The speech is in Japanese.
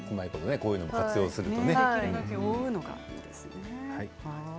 こういうのを活用するといいわけですね。